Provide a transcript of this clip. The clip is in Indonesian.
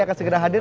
akan segera hadir